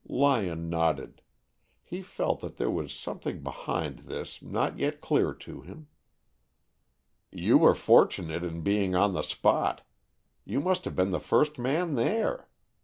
Lyon nodded. He felt that there was something behind this not yet clear to him. "You were fortunate in being on the spot. You must have been the first man there.